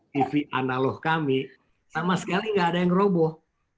tv analog kami sama sekali nggak ada yang roboh